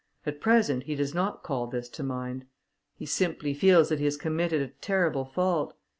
At present he does not call this to mind, he simply feels that he has committed a terrible fault.